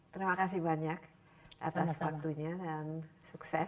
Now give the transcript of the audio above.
terima kasih banyak atas waktunya dan sukses